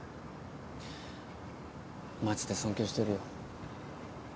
マジで尊敬してるよ。